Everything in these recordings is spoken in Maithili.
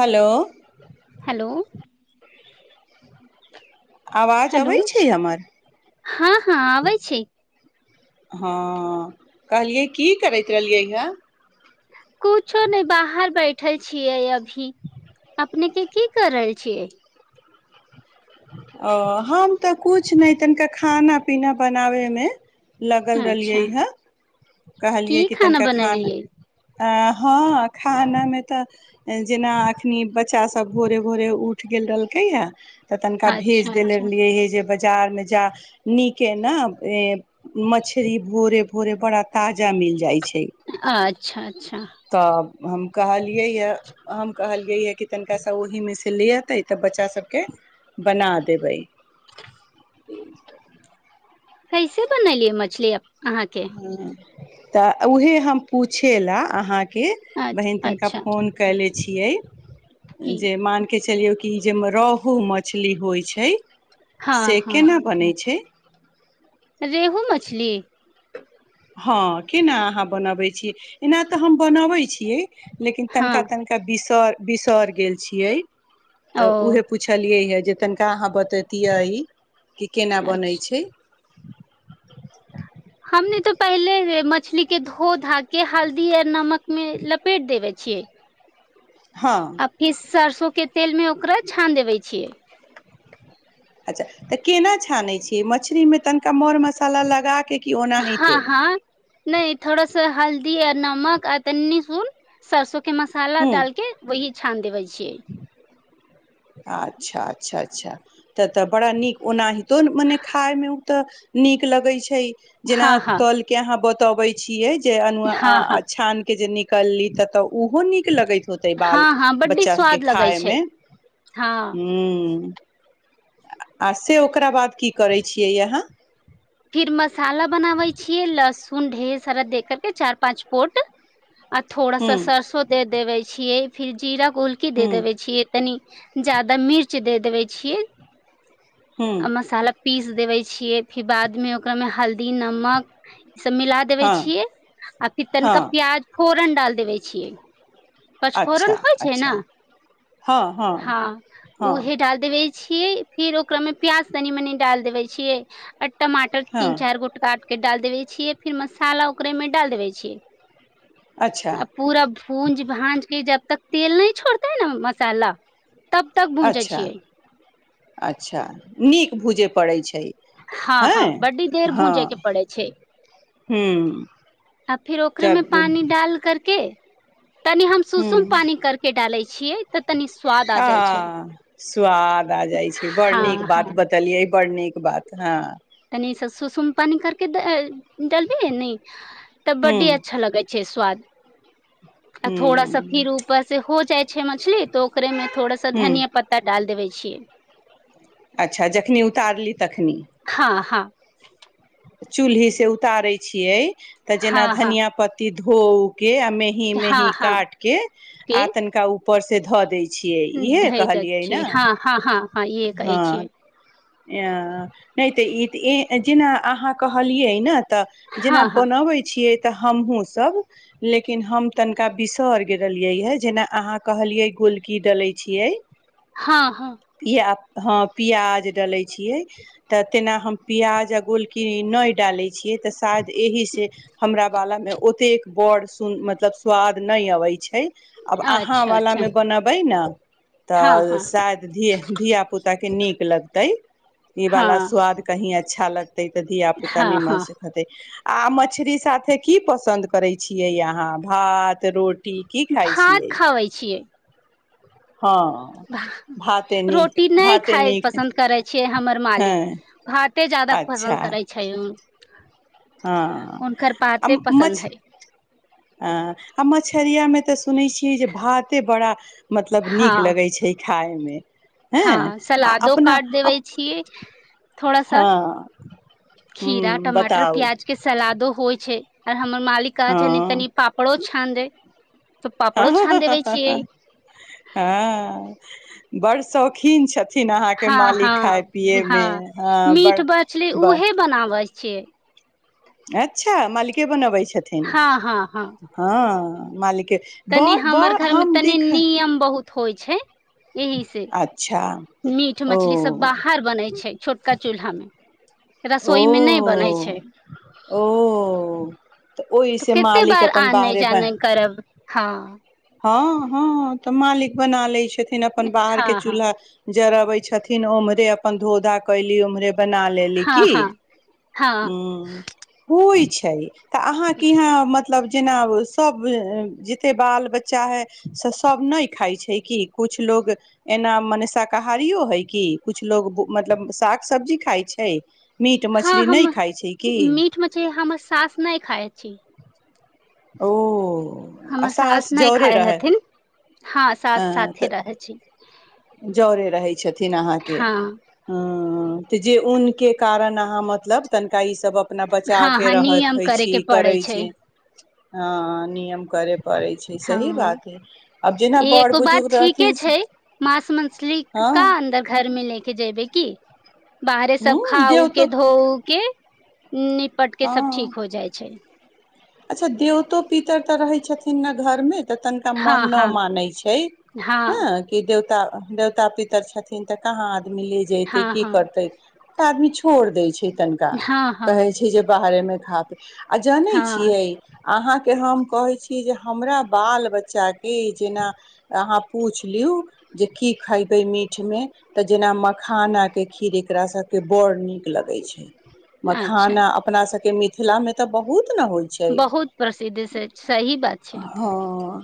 हेलो हेलो आवाज हेलो अबैत छै हमर हँ हँ आबै छै हँ कहलियै की करैत रहलियै हे कु छ नहि बाहर बै बैठल छियै अभी अपने के की कर रहल छियै आ हम तऽ किछु नहि तनिका खाना पीना बनाबयमे लगल रहलियै अच्छा हँ की कहलियै कि खाना तनिका खान बनेलियै हँ खानामे तऽ जेना एखन बच्चासभ भोरे भोरे उठि गेल रहलकैए तऽ तनिका भेज अच्छा देेले अच्छा रहलियै हे जे बाजार में जा नीके न मछरी भोरे भोरे बड़ा ताजा मिल जाय छै छै अच्छा अच्छा त कहलहि हम कहलियैै कि तनिका सा ओहिमे से से ले अतै तऽ बच्चा सभके बना देबै [inaudible] कैसे बनैलिऐ मछली अहाकेे हँ तऽ उएहे हम पूछे लए अहाँके बहिन अच्छा तनका अच्छा फोन कैले छियै की जे मान के चलियौ कि जाहिमे रोहहु मछली होइ छै हँ से हँ केना बनैत छै रेहू मछली हँ केना अहाँ बनबै छीियै एना तऽ हम बनबै छियै लेकिन हँ तनिका तनिका बिसर बिसर गेल छियै ओ तऽ उहे पुछलियै हे जे तनिका अहाँ बतैतियै कि केना बनै छै हम ने तऽ पहिले मछली के धो धा के हल्दी यर नमक मे लपेट देबय छियै हँ अफिस सरसो के तेल में ओकरा छान देबे छियै अच्छा तऽ केना छानैत छियै मछरीमे तनिका मर मसाला लगाऽ के कि हँ ओनाहिते हँ नहि थोड़सा हल् दी आ नमक आ तनी सुन सरसो के मसाला हूँ डालके वही छान देबै छियै अच्छा अच्छा अच्छा तऽ तऽ बड़ा नीक ओनाहितो मने खायमे ओ तऽ नीक लगै छै जेना हँ हँ तलके अहाँ ब बतबै छियै जे अनु हँ हँ छान के जे नीक कलली त तऽ ओहो नीक लगय होतै बाल हँ हँ बच्चा सभकेँ खायमे हाँ हूँ आ से ओकरा बाद की करै छियै य अहाँ फिर मसाला बनाबै छियै लहसुन ढेर सारा दे करके चार पाँच पोट आ थोड़ा हूँ सा सरसों दे देवे छीयै फिर जीरा गोलकी दे हूँ देबे छीयै तनी जादा मिर्च दे देबै छियै हूँ आ मसाला पीस देबे छियै फेर बाद मे ओकरामे हल्दी नमक ई सब मिला देवे हँ छियै आ फिर तनिका हँ प्याज फोरन डाल देबै छियै अच्छा पचफोरन होइ छै ने अच्छा हँ हँ उहे डाल देबै छियै फिर ओकरामे प्याज तनी मनि डालि देबै छियै आ ट टमाटर तीन हँ चार गोट काटके डाल देबे छियै फिर मसाला ओकरेमे डाल देबे छियै अच्छा आ पूरा भूंज भाँज के जब तक तेल नहि छोड़तै न मसाला तब तक पहुँचै अच्छा छियै अच्छा नीक भूजय पड़ैत छै हँ हँ बड्डी देर भूजै के पड़े छै हूँ आ फिर ओकरे मे तब पानी डाल करके तनी हम सुसुम हूँ पानी कर के डाले छी आ स्वाद आ जाइ छै बड़ नीक हँ हँ बात बतलियै बड़ नीक बात हँ नी स सुसम पानी करके जलबी न हूँ कबड्डी अच्छा लगे छै छै स्वाद आ हूँ थोड़ा सा हूँ फिर ऊपर से हो जाइ छै मछली तऽ ओकरे मे थोड़ा साा हूँ धनिया पता डाल देबे छियै अच्छा जखनि उतारली तखनि हँ हँ चूल्ही से उतारे छियै तऽ जेना हँ हँ धनिया पत्ती धो के आ मेहीं मेही हँ हँ काट के आ तनका ऊपर ऊपर से धऽ दै छै धै द छै हँ हँ हँ हँ इहे कहै हँ छियै नहि तऽ ई तऽ जेना अहाँ कहलियै ने तऽ हँ जेना हँ बनाबै छियै तऽ हमहूँ सब लेकिन हम तनिका बिसरि गेलियै ह जेना अहाँ कहलियै गोलकी डलै छियै हँ हँ पिया हँ प्याज डालै छियै तऽ तेना हम प्याज आओ गोलकिननी नहि डालै छियै तऽ शायद एहिसँ हमरा बालामे ओतेक बड़ सुन मतलब स्वाद नहि अबै छै आब हँ अहाँ अच्छा अच्छा वलामे बनबै ने हँ तऽ हँ शद ध धिया पुता के नीक लगते ई वाला हँ स्वाद कही अच्छा लगत तै तऽ धिया पुता हँ न मन हँ सिखतै आ मछरी साथे की पसन्द करे छियै अहाँ भात तऽ रोटी की खाइ भात छियै खाबै छियै हँ भाते नीक रोटी नहि भाते खााय नीक पसन्द करै छियै हमर हँ मालिक भ कते जादा अच्छा पसन्द करै छै उ हँ आ भाते पसन्द मछ हइ अ आ मछरियामे तऽ सुनै छियै जे भाते बड़ा मतलब हँ नीक लगै छै खायमे हँ आ सलादो अपना काट देबे छियै थोड़ा सा हँ खीरा ह टमाटर बताउ प्याज के सलादो होइ छै आर हमर मालिका छै तनी पापड़ो छाँन दे तऽ पापड़ो छान देबै छियै हँ हँ बड़ शौखीन छथि हँ हँ हँ हँ बड़ मीट बचलै बड़ उहे बनाबै छै अच्छा मालिके बनबै छथिन हँ हँ हँ मालिक तनि हमर घर मे तनि नियम बहुत होइ छै एहि से अच्छा मीट ओ मछली सब बाहर बनैछै छोटका चूल्हामे ओ रसोईमे नहि बनै छै ओ तऽ ओहिसँ कते मालिक बार अपन आनै बाहरे बन जानै करब हँ हँ हँ तऽ मालिक बना लै छथि न अपन बाहर हँ के हँ चुल्हा जरबै छथिन ओम्हरे अपन धोधा कइली ओम्हरे बना लेली हँ की हँ हँ हुं होइ छै छै तऽ अहाँ के यहाँ मतब मतलब जेना सभ जतेक बाल बच्चा हइ से सभ नहि खाइ छै कि किछु लोक एना मने शाकाहारिओ हइ कि किछु लोग मतलब साग सब्जी खाइ छै मीट हँ मछली नहि हम खाइ छै की मीट मछी हम सास नहि खाइ छी ओ आ हमर सास नहि जरे खााय रहै हेथिन हँ सास साथे रहै छी जरे रहैत छथिन अहाँके हँ हं हं त जे ऊन के कारण अहाँ मतलब तनिका ई सभ अपना हँ बचाके हँ नियम रहखै करे छी के पड़ै करै छै छी हँ नियम करे करै छै हँ सही बात हइ आब जेना बड़ बुजुर्ग रहथिन से मछलीक का अन्दर घर मे ले के जयबै की बाहरे ह सब खाउ देव तो के धो उ के निपट के सब हँ ठीक हो जाइ छै अच्छा देवतो पितर तऽ रहै छथिन न घरमे त तनका मन हँ न हँ मानै छै हँ हं कि देवतो त देवता पितर छथिन तऽ कहाँ मिलै जैतै हँ की हँ करतै तऽ आदमी छोड़ दै छै तनिका हँ कहै हँ छी जे बाहरेमे [unintelligible] आ जानै हँ छी अहाँके हम कहैत छी जे हमरा बाल बच्चाके जेना अहाँ पूछि लियौ जे की खयबै मीठमे तऽ जेना मखानाके खीर एकरासभके बड़ नीक लगैत छै अच्छा मखाना अपनास बके मिथिलामे त बहुत न होय बहुत प्रसिद्ध छै सही बात छै हँ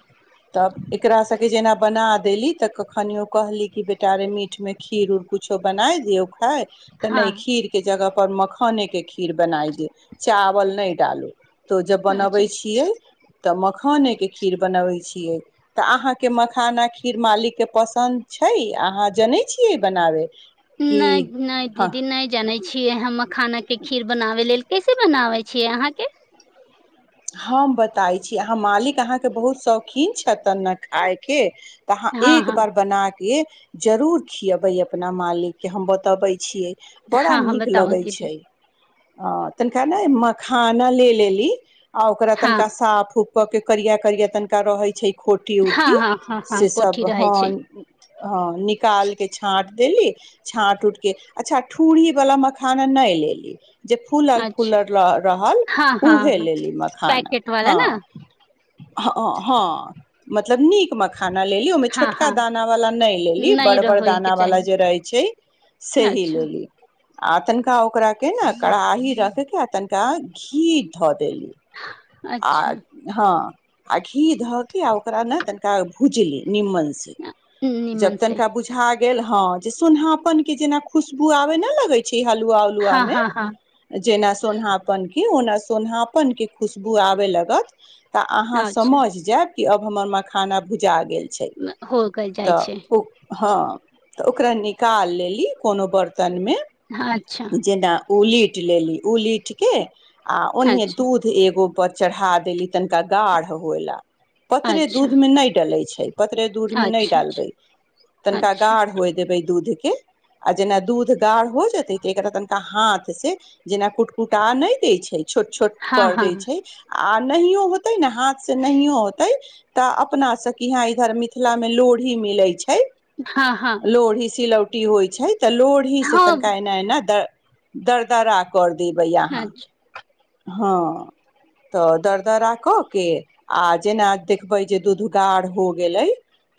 तब एकरा सबके जेना बना देली तऽ कखनियो कहली कि बेटा अरे मीटमे खीर उर किछो बनाय दियौ खाइत तऽ नहि हँ खीर के जगह पर मखाने के खीर बनाइ ग चावल नहि डालू तऽ जब अच्छा बनबै छियै तऽ मखानेके खीर बनबै छियै तऽ अहाँके मखाना खीर मालिकके पसन्द छै अहाँ जनैत छियै बनाबै नहि नहि दीदी नहि जनै छियै हम खाना के खीर बनाबे लेल कैसे बनाबै छियै अहाँके हम बताबै छी अहाँ मालिक अहाँके बहुत शौखीन छथिन ने खाायके तऽ अहाँ हँ एक हँ बार बनाके जरूर खियबै अपना मालिक के हम बतबे छीयै बड़ा हँ हँ नीक बताउ लगै दीदी छै आ तनिका ने मखाना ले लेली आ ओकरा हँ तनका साफ उफ कऽ के करिया करिया तनिका रहै छैय। खोटी हँ उठी हँ हँ हँ से सब कोठी रहै छै ह निकाल के छाट देली छाँट उटके अच्छा ठूरी वाला मखाना नहि लेली जे फूलल अच्छा फूलल रहल हँ हँ ऊहे हँ लेली म पैकेट वाला ने ह हँहां मत लब नीक मखाना लेली ओहिमे हँ छोटका हँ दानावलाा नहि लेली नहि बड़ बड़ रहयके चाही दानावला जे रहै छैय सेही अच्छा लेली आ तनिका ओकरा के ने कड़ाही रख क तनिका घी धऽ देली आ अच्छा हँ आ घी धऽ के आ ओकरा ने तनिका भूजली निम्मन से अ, जब नीमन से तनिका बुझा गेल ह जे सोनहपन के जेना खुशबू आबे न लगे छैय की हलुआ उलुआ हँ में हँ हँ ओना सोनापन के खुशबू आबै लागत तऽ अहाँ अच्छा समझि जाएब अब हमर माँखाना भुजा गेल छैय हो क जाइ छै तऽ ओ हँ तऽ ओकरा निकाल लेली कोनो बर्त तनमे हाँ, अच्छा जेना ओलीट लेली ओलीट कऽ आ ओनिये अच्छा दूध पर चढ़ा देेली तनिका गाढ़ हुए ला पतरे अच्छा दूध में न डले छैय पतरे दूध में न अच्छा अच्छा डालबय तनिका अच्छा गाढ़ होई देबय दूध के जेना दूध गाढ़ हो जेते त एकरा तनिका हाथ से जेना कुटकुटा नहि देै छैय छोट छोट हँ कर दै हँ छैय आ नहियो होते ने हाथ से नहियो होते तऽ अपना सब के यहा इधर मिथिला मे लोढ़ी मिले छैय। है हँ हँ लोढ़ी सीलौ की होइ छैय तऽ लोड़ही से हँ तनिका एना एना दरदरा कर द देबै अहाँ अच्छा हँ तऽ दरदरा कऽ केऽ आ जेना देखबै जे दूध गाढ़ हो गेलै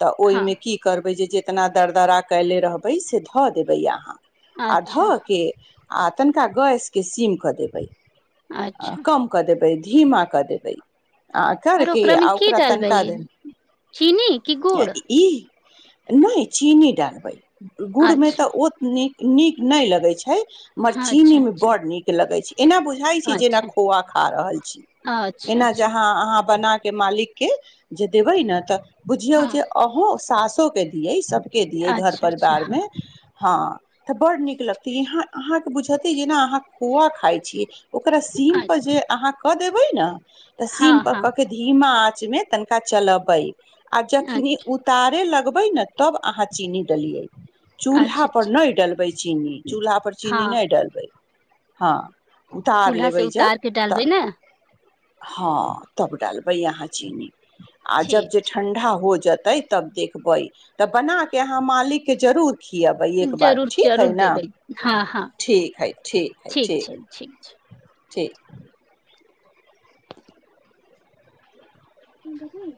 तऽ हँ ओहिमे की करबै जे जे कतना दरदरा कयले रहबै से धऽ देबै अहाँ आ अच्छा धऽ के आ तनिका गैसके सीम कऽ देबै। आ अच्छा कम क देब धीमा क देबै आ आर करके ओकरामे आ की ओकरा डालबै तनिका देल चीनी कि गुड़ ई नहि चीनी डालबै गुड़मे अच्छा तऽ ओ नीक नीक नहि लगै छैय हममर हाँ, अच्छा चीनी में अच्छा बड नीक लगै छैय एना बुझ जेना अच्छा खोआ खा रहल छी अच्छा एना जे अच्छा आहान आहान बना के मालिक के जे देबै ने तऽ बुझिय जे हँ आहू साासो के दियै सब के दियै घर अच्छा अच्छा परिवारमे हँ हँ तऽ बड़्ड नीक लगतय यहाँ अहाँके बुझते जेना अहाँ खोआ खाइ छीयै। ओकरा सीमपर जे अहाँ कऽ देबै ने तऽ सीम हँ पर हँ क के धीमा मे तनिका चलबै आ जखनी उतारे लग लबे ने तब अहाँ चीनी देलियै अच्छा अच्छा चूल्हापर ठीक नहि डलबै चीनी चूल्हापर चीनी हँ नहि डलबै हँ उतार चूल्हा से लेबै जब उतार के तऽ डालबै ने हँ तब डालबै अहाँ चीनी आ जब ठीक जे ठण्डा हो जेतै तब देखबै तऽ बना के अहाँ मालिक के जरूर खिबै छै, एक बार जरूर ठीक हइ जरूर न देबै हँ हँ ठीक हइ ठीक हइ ठीक [inaudible] छ ह बढ़